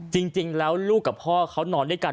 จริงแล้วลูกกับพ่อเขานอนด้วยกัน